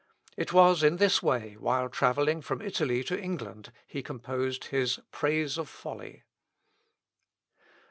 It was in this way, while travelling from Italy to England, he composed his Praise of Folly.